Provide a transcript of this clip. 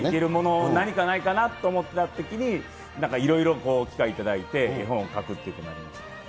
何かないかなと思ったときに、なんかいろいろ機会をいただいて、絵本を描くということになりました。